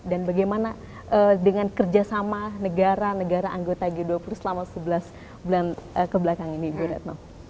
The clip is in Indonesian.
dan bagaimana dengan kerjasama negara negara anggota g dua puluh selama sebelas bulan kebelakang ini ibu retno